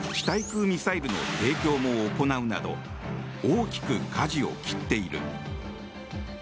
対空ミサイルの提供も行うなど大きくかじを切っている。